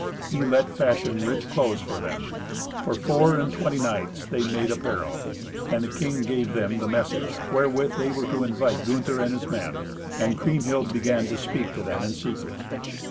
He let fashion rich clothes for them; for four and twenty knights they made apparel, and the king gave them the message wherewith they were to invite Gunther and his men. And Kriemhild began to speak to them in secret.